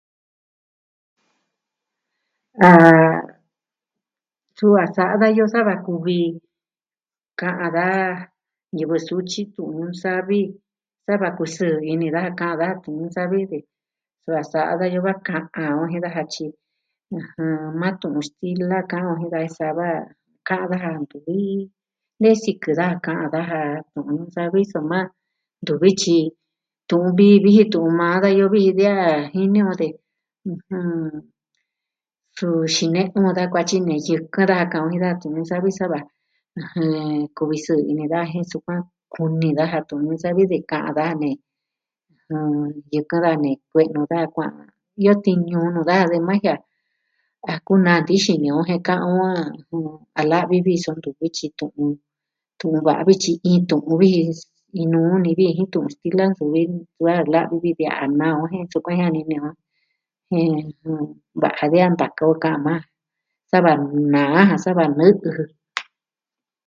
Ah... su a sa'a dayoo sava kuvi ka'an da... ñɨvɨ sutyi tu'un savi sava kusɨɨ ini daja ka'an daja tu'un ñuu savi vi. Suvi a sa'a dayoo va ka'an daja tyi ɨjɨn maa tu'un stila ka'on je sava ka'an daja ntu vii, ne sikɨ daja ka'an daja tu'un savi soma ntuvi tyi tu'un vii vi ji tu'un maa dayoo vi ji vi a jini on de ɨjɨn... su xine'en on nuu da kuatyi ne yɨkɨn daja ka'an on jin daja tu'un ñuu savi sava ɨjɨn kuvi sɨɨ ini daja jen sukuan kuni daja tu'un ñuu savi de ka'an daja ne ɨjɨn... yɨkɨn daja ne kue'nu daja kua'an iyo tiñu jun nuu daja ma jie'e a a kunaa nti'in xini on jen ka'on... a la'vi vi ji so ntu vii tyi tu'un, tu'un va'a vi ji tyi iin tu'un vi ji, iin nuu ni vi ji jin tu'un stila ntuvi a la'vi vi ji de a naa on je sukuan jianini on. Je jɨ... va'a vi ntaka o ka'on majan. Sava naa jan sava nɨ'ɨ jɨ.